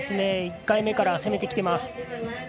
１回目から攻めてきてます。